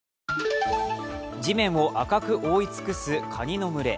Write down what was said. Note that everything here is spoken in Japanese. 地面を赤く覆い尽くすカニの群れ。